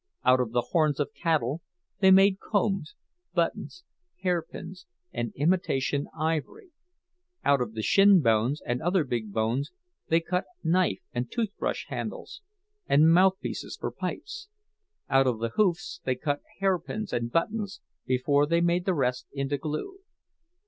Out of the horns of the cattle they made combs, buttons, hairpins, and imitation ivory; out of the shinbones and other big bones they cut knife and toothbrush handles, and mouthpieces for pipes; out of the hoofs they cut hairpins and buttons, before they made the rest into glue.